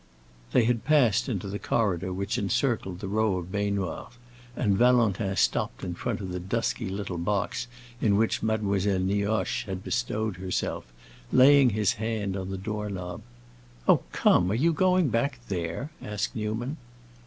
They had passed into the corridor which encircled the row of baignoires, and Valentin stopped in front of the dusky little box in which Mademoiselle Nioche had bestowed herself, laying his hand on the doorknob. "Oh, come, are you going back there?" asked Newman.